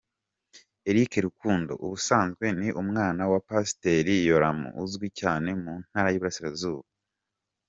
Eric Rukundo, ubusanzwe ni umwana wa Pasiteri Yoramu uzwi cyane mu ntara y'Iburasirazuba.